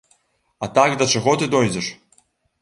А так да чаго ты дойдзеш?!